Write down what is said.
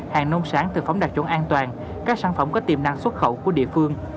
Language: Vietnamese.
hàng nông sản thực phẩm đặc chuẩn an toàn các sản phẩm có tiềm năng xuất khẩu của địa phương